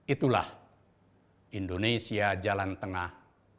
itulah indonesia jalan tengah